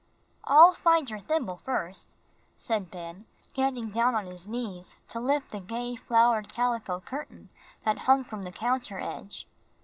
"I'll find your thimble first," said Ben, getting down on his knees to lift the gay flowered calico curtain that hung from the counter edge.